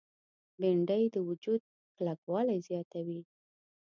بېنډۍ د وجود کلکوالی زیاتوي